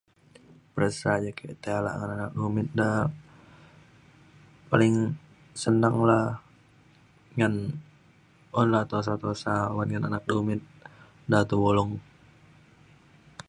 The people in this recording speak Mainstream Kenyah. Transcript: peresa ja ake tai alak dalau dumit de paling senang la ngan un la tosa tosa oban le anak dumit da tegulung